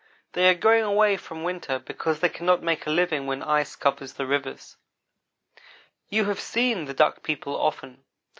They are going away from winter because they cannot make a living when ice covers the rivers. "You have seen the Duck people often.